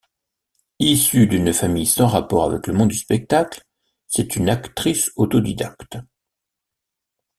Issue d'une famille sans rapport avec le monde du spectacle, c'est une actrice autodidacte.